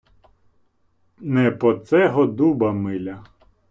Не по цего дуба миля.